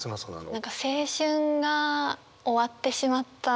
何か青春が終わってしまった。